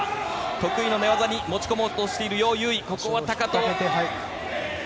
得意の寝技に持ち込もうとしているヨウ・ユウイ。